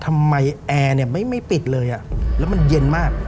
ทำไมเนี้ยเปิดอะไรไม่เป็นไรอ่ะแล้วมันหยั่นมาก